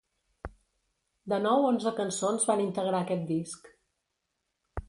De nou onze cançons van integrar aquest disc.